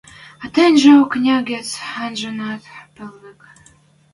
А тӹньжӹ окня гӹц анженӓт пӹл вӹк.